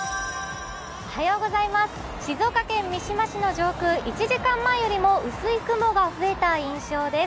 静岡県三島市の上空、１時間前よりも薄い雲が増えた印象です。